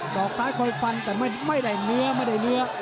อกซ้ายคอยฟันแต่ไม่ได้เนื้อไม่ได้เนื้อ